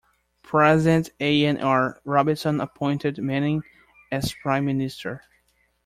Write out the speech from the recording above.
President A. N. R. Robinson appointed Manning as Prime Minister.